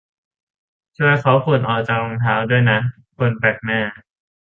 ช่วยเคาะฝุ่นออกจากรองเท้าด้วยนะคนแปลกหน้า